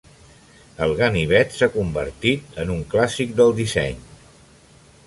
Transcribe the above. El ganivet s'ha convertit en un clàssic del disseny.